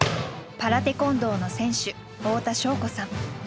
パラテコンドーの選手太田渉子さん。